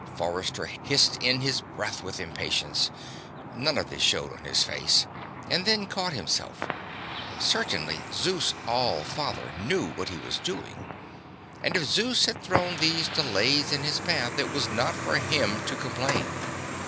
Forrester hissed in his breath with impatience none of which showed on his face and then caught himself. Certainly Zeus All Father knew what he was doing, and if Zeus had thrown these delays in his path, it was not for him to complain.